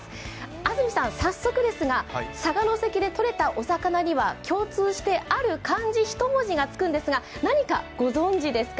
安住さん、早速ですが佐賀関でとれたお魚には共通して、ある漢字１文字がつくんですがご存じですか？